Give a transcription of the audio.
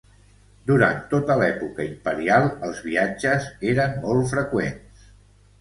Durant tota l'època imperial els viatges eren molt freqüents.